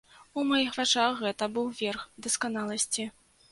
У маіх вачах гэта быў верх дасканаласці.